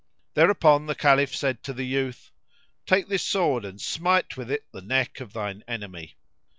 Thereupon the Caliph said to the youth, "Take this sword and smite with it the neck of thine enemy."